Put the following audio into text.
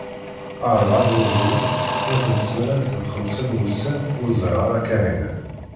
Rebɛa n wayyuren, snat n smanat d xemsa n wussan ur ẓriɣ ara Kahina.